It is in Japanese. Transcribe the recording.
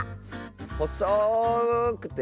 ほそくて。